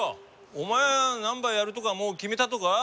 お前は何ばやるとかもう決めたとか？